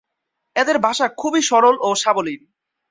এদের ভাষা খুবই সরল ও সাবলীল।